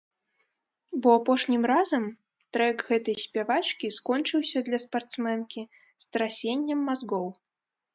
Бо апошнім разам трэк гэтай спявачкі скончыўся для спартсменкі страсеннем мазгоў.